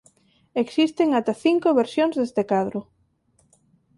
Existen ata cinco versións deste cadro.